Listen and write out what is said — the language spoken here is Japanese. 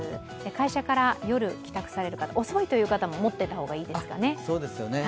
会社から夜、帰宅される方、遅いという方も持っておいた方がいいですね。